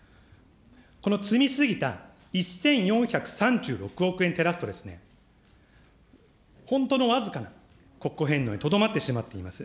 この積み過ぎた１４３６億円照らすと、本当の僅かな国庫返納にとどまってしまっています。